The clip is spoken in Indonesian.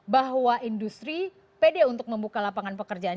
bahwa industri pede untuk membuka lapangan pekerjaan